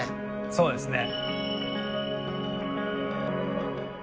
そうですね。